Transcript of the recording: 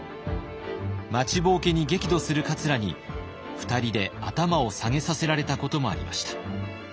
待ちぼうけに激怒する桂に２人で頭を下げさせられたこともありました。